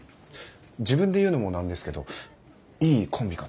自分で言うのも何ですけどいいコンビかと。